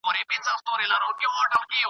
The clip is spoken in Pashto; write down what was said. چي دهقان ته په لاس ورنه سي تارونه .